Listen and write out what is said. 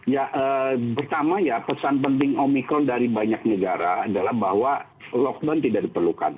ya pertama ya pesan penting omikron dari banyak negara adalah bahwa lockdown tidak diperlukan